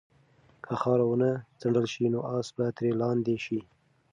که خاوره ونه څنډل شي نو آس به ترې لاندې شي.